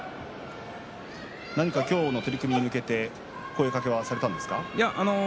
何か今日の取組に向けて声かけは、されたんですか？